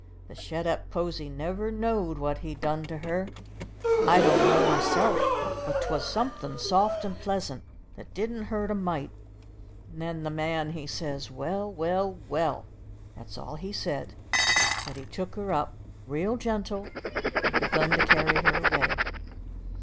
The shet up posy never knowed what he done to her. I don't know myself, but 'twas somethin' soft and pleasant, that didn't hurt a mite, and then the man he says, "Well, well, well!" That's all he said, but he took her up real gentle, and begun to carry her away.